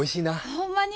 ほんまに？